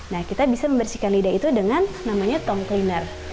nah kita bisa membersihkan lidah itu dengan namanya tom cleaner